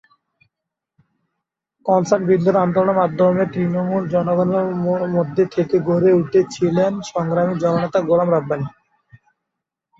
কানসাট-বিদ্যুৎ আন্দোলনের মাধ্যমে তৃণমূল জনগণের মধ্যে থেকে গড়ে উঠেছিলেন সংগ্রামী জননেতা- গোলাম রাব্বানী।